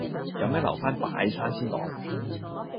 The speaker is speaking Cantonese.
有咩留返拜山先講